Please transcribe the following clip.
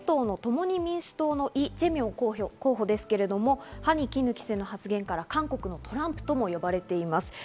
まず与党の「共に民主党」のイ・ジェミョン候補ですけれども、歯に衣着せぬ発言から韓国のトランプとも呼ばれています。